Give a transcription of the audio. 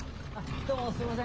どうも、すみません。